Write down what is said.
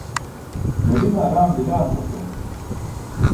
maḍime araam bila muuto